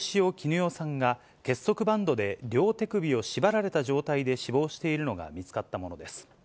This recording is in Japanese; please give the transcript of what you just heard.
与さんが、結束バンドで両手首を縛られた状態で死亡しているのが見つかったものです。